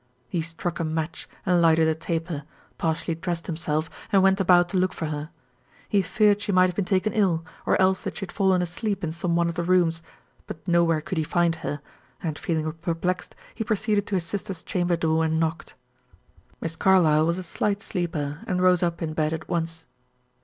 He struck a match and lighted a taper, partially dressed himself, and went about to look for her. He feared she might have been taken ill; or else that she had fallen asleep in some one of the rooms. But nowhere could he find her, and feeling perplexed, he proceeded to his sister's chamber door and knocked. Miss Carlyle was a slight sleeper, and rose up in bed at once.